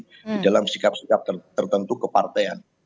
di dalam sikap sikap tertentu kepartean